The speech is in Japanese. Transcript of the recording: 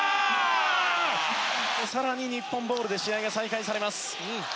更に日本ボールで試合が再開されます。